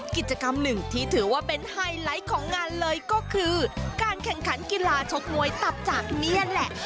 กิจกรรมหนึ่งที่ถือว่าเป็นไฮไลท์ของงานเลยก็คือการแข่งขันกีฬาชกมวยตับจากนี่แหละ